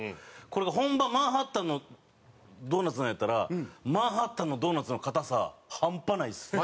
これが本場マンハッタンのドーナツなんやったらマンハッタンのドーナツの硬さハンパないです。